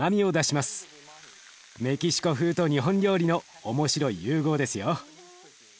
メキシコ風と日本料理の面白い融合ですよ。